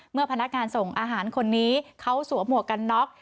พนักงานส่งอาหารคนนี้เขาสวมหมวกกันน็อก